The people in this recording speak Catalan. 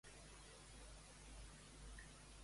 Per què Cacus va anar a veure a Tarcont?